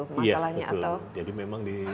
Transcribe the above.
masalahnya atau iya betul jadi memang